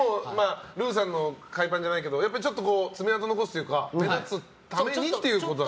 ルーさんの海パンじゃないけどちょっと爪痕を残すというか目立つためにっていうことですか。